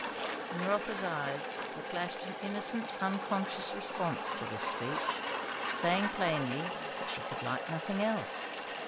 In Rotha's eyes there flashed an innocent unconscious response to this speech, saying plainly that she could like nothing else!